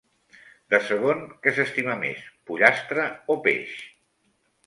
De segon què s'estima més, pollastre o peix?